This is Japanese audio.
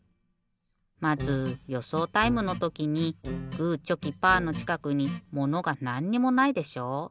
まずよそうタイムのときにグーチョキパーのちかくにものがなんにもないでしょ。